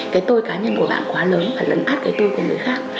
cái tôi cá nhân của bạn quá lớn và lẫn át cái tôi của người khác